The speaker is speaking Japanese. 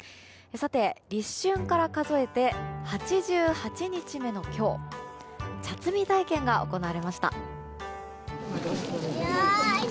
立春から数えて８８日目の今日茶摘み体験が行われました。